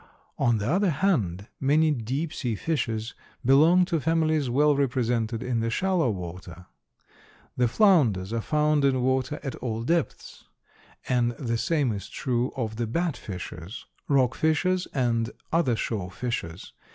On the other hand, many deep sea fishes belong to families well represented in the shallow water. The flounders are found in water at all depths, and the same is true of the bat fishes, rock fishes and other shore fishes.